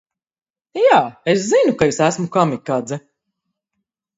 "Jā, es zinu, ka es esmu "kamikadze"."